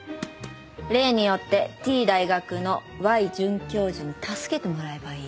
「例によってＴ大学のＹ准教授に助けてもらえばいい」